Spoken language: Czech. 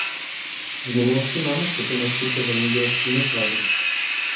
Z minulosti máme zkušenosti se zemědělskými svazy.